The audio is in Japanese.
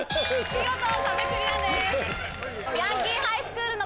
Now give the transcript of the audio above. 見事壁クリアです。